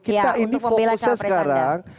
kita ini fokusnya sekarang